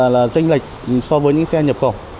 là chênh lệch so với những xe nhập khẩu